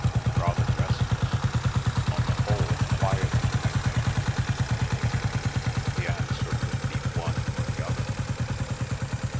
"Rather restless. ... On the whole, quieter, I think." The answer would be one or the other.